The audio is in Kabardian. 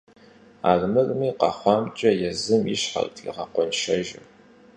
Армырми, къэхъуамкӏэ езым и щхьэрт игъэкъуэншэжыр.